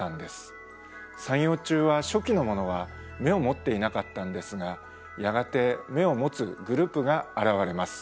三葉虫は初期のものは眼を持っていなかったんですがやがて眼を持つグループが現れます。